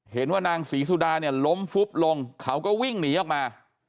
เห็นว่านางศรีสุดาเนี่ยล้มฟุบลงเขาก็วิ่งหนีออกมา